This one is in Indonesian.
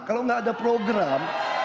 kalau nggak ada program